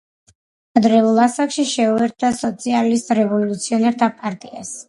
ადრეულ ასაკში შეუერთდა სოციალისტ რევოლუციონერთა პარტიას.